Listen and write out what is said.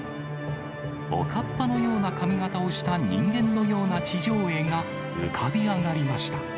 おかっぱのような髪形をした人間のような地上絵が浮かび上がりました。